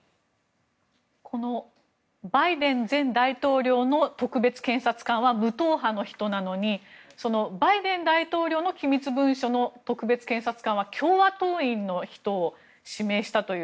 このバイデン大統領の特別検察官は無党派の人なのにバイデン大統領の機密文書の特別検察官は共和党員の人を指名したという。